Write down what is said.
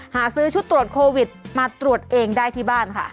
หาซื้อชุดตรวจโควิดมาตรวจเองได้ที่บ้านค่ะ